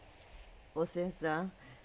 おせんさん